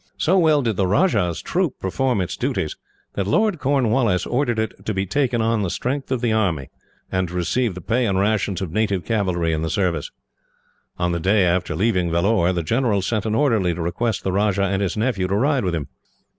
So well did the Rajah's troop perform its duties, that Lord Cornwallis ordered it to be taken on the strength of the army, and to receive the pay and rations of native cavalry in the service. On the day after leaving Vellore, the general sent an orderly to request the Rajah and his nephew to ride with him.